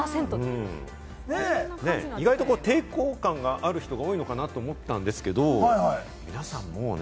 意外と抵抗感がある人が多いのかなと思ったんですが、皆さんもうね。